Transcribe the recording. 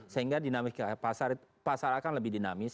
sehingga dinamika pasar akan lebih dinamis